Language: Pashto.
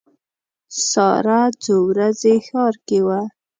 ساره څو ورځې ښار کې وه.